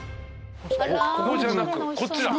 ここじゃなくこっちだ。